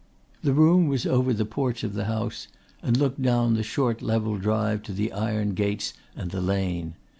The room was over the porch of the house and looked down the short level drive to the iron gates and the lane.